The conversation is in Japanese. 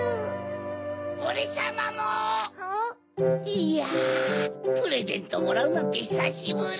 いやプレゼントもらうなんてひさしぶり！